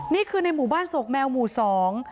นี่คือในหมู่บ้านโศกแมวหมู่สอง